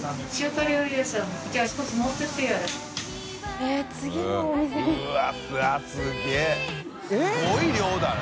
┐叩すごい量だな。